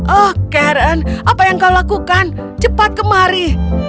oh karen apa yang kau lakukan cepat kemari